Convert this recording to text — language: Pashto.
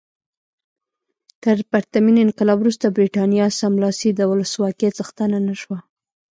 تر پرتمین انقلاب وروسته برېټانیا سملاسي د ولسواکۍ څښتنه نه شوه.